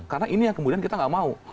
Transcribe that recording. karena ini yang kemudian kita gak mau